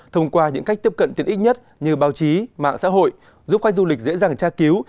thông qua những cách tiếp cận tiện ích nhất như báo chí mạng xã hội giúp khách du lịch dễ dàng tra cứu